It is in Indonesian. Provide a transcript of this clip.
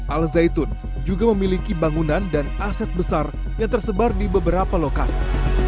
al zaitun juga memiliki bangunan dan aset besar yang tersebar di beberapa lokasi